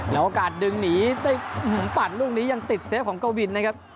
แล้วโอกาสดึงหนีได้ปัดลูกนี้ยังติดเซฟของกวินนะครับ